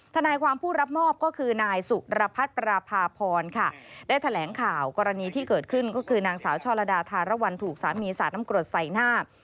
ทนายความผู้รับมอบก็คือนายสุรพัฒน์ปราภาพรค่ะได้แถลงข่าวกรณีที่เกิดขึ้นก็คือนางสาวช่อลดาธารวรรณถูกสามีสาดน้ำกรดใส่หน้า